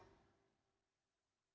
bima arya menyampaikan